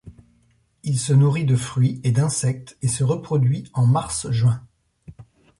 Il se nourrit de fruits et d'insectes et se reproduit en mars-juin.